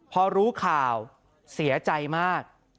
พอรู้ข่าวเสียใจมาก